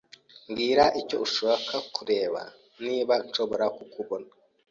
Mbwira icyo ushaka ndareba niba nshobora kukubona.